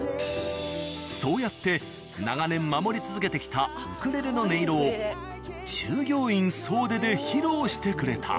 そうやって長年守り続けてきたウクレレの音色を従業員総出で披露してくれた。